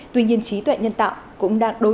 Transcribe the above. tuy nhiên trí tuệ nhân tạo cũng đang đối với các mô hình